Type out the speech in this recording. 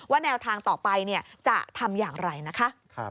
แนวทางต่อไปจะทำอย่างไรนะคะ